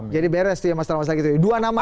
jadi beres tuh mas trawasya gitu dua nama